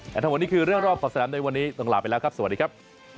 และทั้งหมดนี้คือเรื่องรอบขอบสนามในวันนี้ต้องลาไปแล้วครับสวัสดีครับ